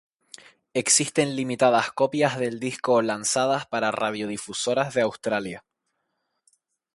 Existen limitadas copias del disco lanzadas para radiodifusoras de Australia.